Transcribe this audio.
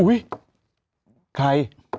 อุ๊ยใคร